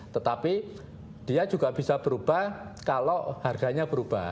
tetapi dia juga bisa berubah kalau harganya berubah